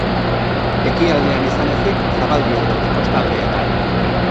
Ekialdean izan ezik, zabaldiak daude kostaldeetan.